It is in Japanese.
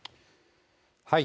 はい。